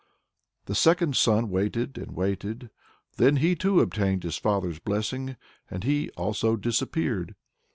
The second son waited and waited, then he too obtained his father's blessing and he also disappeared.